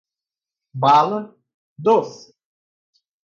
bala, doce